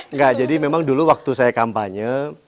enggak jadi memang dulu waktu saya kampanye